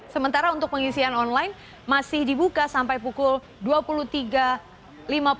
sementara untuk pengisian online masih dibuka sampai pukul dua puluh tiga lima puluh